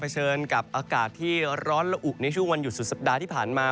เชิญกับอากาศที่ร้อนละอุในช่วงวันหยุดสุดสัปดาห์ที่ผ่านมา